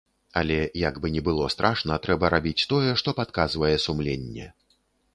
Але, як бы ні было страшна, трэба рабіць тое, што падказвае сумленне.